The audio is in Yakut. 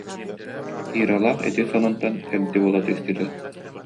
Иралаах ити сонунтан эгди буола түстүлэр